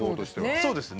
そうですね。